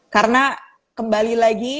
karena kembali lagi